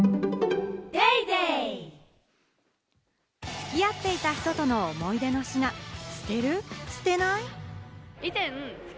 つき合っていた人との思い出の品、捨てる？